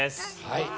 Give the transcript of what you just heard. はい。